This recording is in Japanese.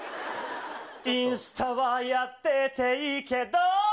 インスタはやってていいけど。